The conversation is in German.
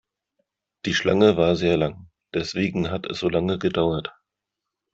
Die Schlange war sehr lang, deswegen hat es so lange gedauert.